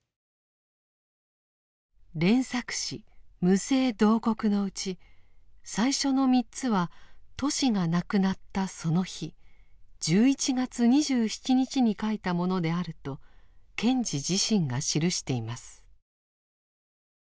連作詩「無声慟哭」のうち最初の３つはトシが亡くなったその日１１月２７日に書いたものであると賢治自身が記しています。